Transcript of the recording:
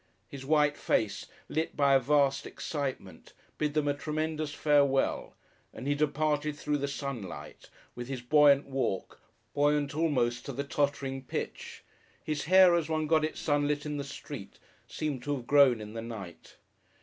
His white face, lit by a vast excitement, bid them a tremendous farewell, and he departed through the sunlight, with his buoyant walk, buoyant almost to the tottering pitch. His hair, as one got it sunlit in the street, seemed to have grown in the night.